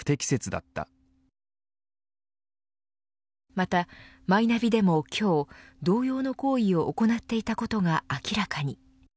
また、マイナビでも今日同様の行為を行っていたことが明らかに。